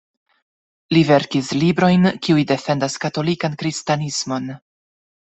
Li verkis librojn, kiuj defendas katolikan kristanismon.